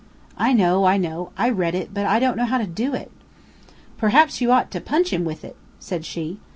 "I know, I know. I read it, but I don't know how to do it." "Perhaps you ought to punch him with it," said she.